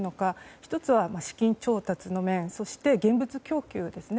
１つは資金調達の面そして、現物供給ですね。